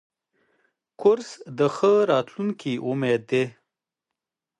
کورس د ښه راتلونکي امید دی.